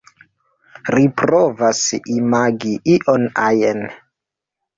Ri provas imagi ion ajn.